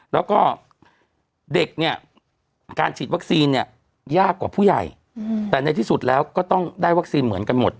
แล้วก็เด็กเนี่ยการฉีดวัคซีนเนี่ยยากกว่าผู้ใหญ่แต่ในที่สุดแล้วก็ต้องได้วัคซีนเหมือนกันหมด